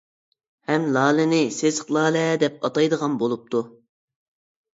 ھەم لالىنى «سېسىق لالە» دەپ ئاتايدىغان بولۇپتۇ.